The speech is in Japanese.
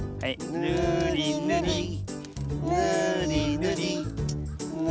ぬりぬりぬりぬりぬりぬり